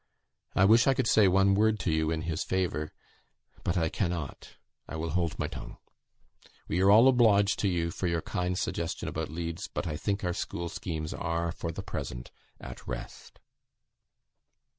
I wish I could say one word to you in his favour, but I cannot. I will hold my tongue. We are all obliged to you for your kind suggestion about Leeds; but I think our school schemes are, for the present, at rest."